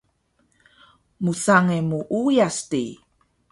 Msange muuyas di